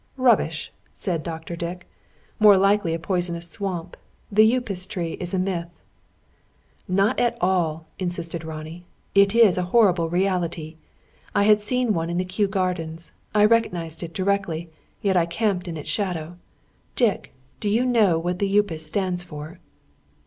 "Rubbish!" said Dr. Dick. "More likely a poisonous swamp. The Upas tree is a myth." "Not at all," insisted Ronnie. "It is a horrid reality. I had seen the one in Kew Gardens. I recognised it directly, yet I camped in its shadow. Dick, do you know what the Upas stands for?"